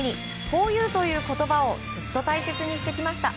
フォー・ユーという言葉をずっと大切にしてきました。